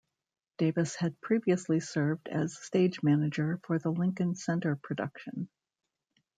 Davis had previously served as stage manager for the Lincoln Center production.